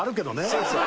そうそう。